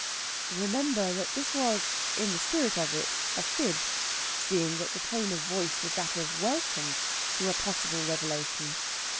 Remember that this was, in the spirit of it, a fib, seeing that the tone of voice was that of welcome to a possible revelation.